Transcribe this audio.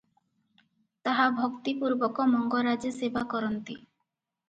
ତାହା ଭକ୍ତି ପୂର୍ବକ ମଙ୍ଗରାଜେ ସେବାକରନ୍ତି ।